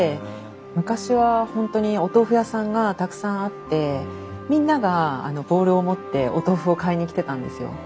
昔は本当にお豆腐屋さんがたくさんあってみんながボウルを持ってお豆腐を買いに来てたんですよ。